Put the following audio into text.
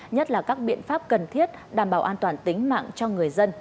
nhất là các biện pháp cần thiết đảm bảo an toàn tính mạng cho người dân